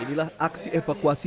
inilah aksi evakuasi